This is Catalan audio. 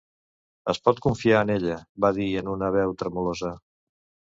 "Es pot confiar en ella", va dir en una veu tremolosa.